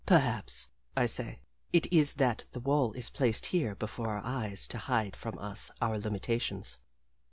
"Perhaps," I say, "it is that the wall is placed here before our eyes to hide from us our limitations."